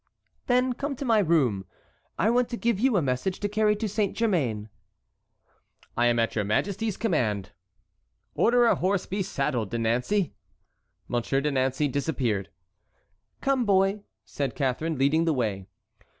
"Then come into my room. I want to give you a message to carry to Saint Germain." "I am at your majesty's command." "Order a horse to be saddled, De Nancey." Monsieur de Nancey disappeared. "Come, boy," said Catharine, leading the way.